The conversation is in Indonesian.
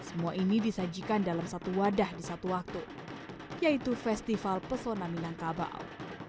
semua ini disajikan dalam satu wadah di satu waktu yaitu festival pesona minangkabau